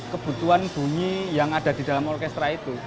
kebutuhan bunyi yang ada di dalam orkestra itu